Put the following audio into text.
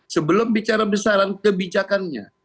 sebelum bicara besaran kebijakannya